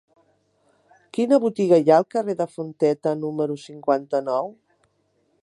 Quina botiga hi ha al carrer de Fonteta número cinquanta-nou?